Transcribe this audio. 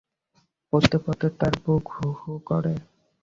পড়তে-পড়তে তাঁর বুক হুহু করে।